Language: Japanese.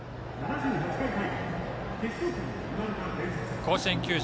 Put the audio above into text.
甲子園球場